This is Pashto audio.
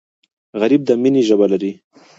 غریب د مینې ژبه لري